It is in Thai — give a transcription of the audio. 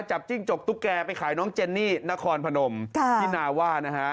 จิ้งจกตุ๊กแกไปขายน้องเจนนี่นครพนมที่นาว่านะฮะ